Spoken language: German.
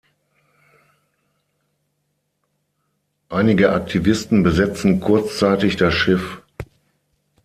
Einige Aktivisten besetzten kurzzeitig das Schiff.